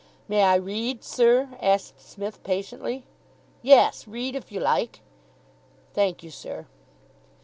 "May I read, sir?" asked Psmith, patiently. "Yes, read if you like." "Thank you, sir."